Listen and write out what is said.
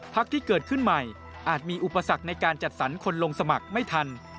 พักที่เกิดขึ้นใหม่อาจมีอุปสรรคในการจัดสรรคนลงสมัครไม่ทัน